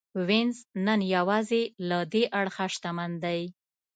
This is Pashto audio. وینز نن یوازې له دې اړخه شتمن دی.